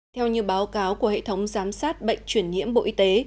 theo như báo cáo của hệ thống giám sát bệnh chuyển nhiễm bộ y tế